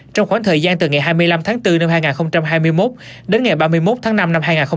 trong khoảng thời gian từ ngày hai mươi năm tháng bốn năm hai nghìn hai mươi một đến ngày ba mươi một tháng năm năm hai nghìn hai mươi ba